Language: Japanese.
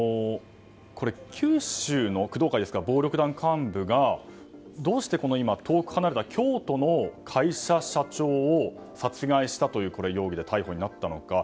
九州の暴力団幹部がどうして今遠く離れた京都の会社の社長を殺害したという容疑で逮捕になったのか。